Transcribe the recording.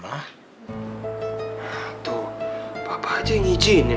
nah tuh papa aja yang izinin